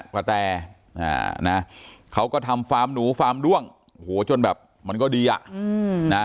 กระแต่นะเขาก็ทำฟาร์มหนูฟาร์มร่วงจนแบบมันก็ดีอะ